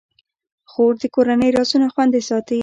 خور د کورنۍ رازونه خوندي ساتي.